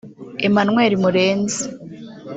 Emmanuel Murenzi